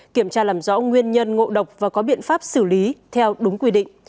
kiểm tra làm rõ nguyên nhân ngộ độc và có biện pháp xử lý theo đúng quy định